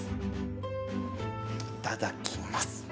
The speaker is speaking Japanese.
いただきます。